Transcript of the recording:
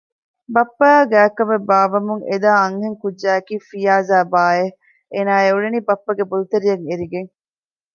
ބައްޕައާ ގާތްކަމެއް ބާއްވަމުން އެދާ އަންހެން ކުއްޖާއަކީ ފިޔާޒާބާއެވެ! އޭނާ އެ އުޅެނީ ބައްޕަގެ ބޮލުތެރެއަށް އެރިގެން